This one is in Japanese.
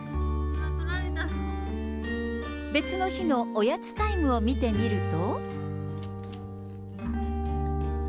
別の日のおやつタイムを見てみると。